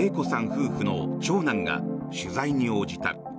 夫婦の長男が取材に応じた。